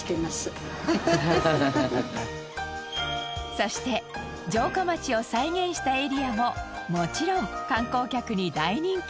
そして城下町を再現したエリアももちろん観光客に大人気。